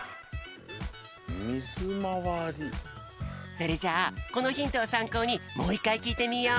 それじゃあこのヒントをさんこうにもういっかいきいてみよう！